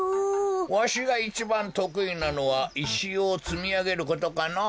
わしがいちばんとくいなのはいしをつみあげることかのぉ。